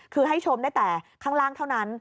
คือให้ชมได้แต่ข้างล่างเท่านั้น